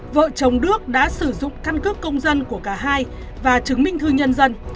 vợ chồng đức đã sử dụng căn cước công dân của cả hai và chứng minh thư nhân dân